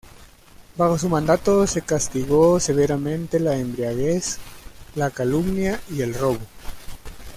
Bajo su mandato se castigó severamente la embriaguez, la calumnia y el robo.